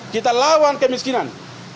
kita lawan kemiskinan